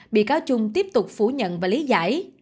bị cáo trung tiếp tục phủ nhận và lý giải